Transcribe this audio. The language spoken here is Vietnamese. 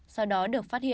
sau đó được phát hiện